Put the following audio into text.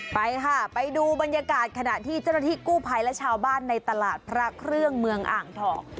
ไปค่ะไปดูบรรยากาศขณะที่เจ้าหน้าที่กู้ภัยและชาวบ้านในตลาดพระเครื่องเมืองอ่างทอง